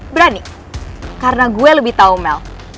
berani karena gue lebih tahu mel